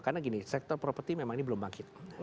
karena gini sektor properti memang ini belum bangkit